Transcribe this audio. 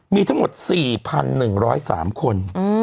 มีทั้งหมด๔๑๐๓คน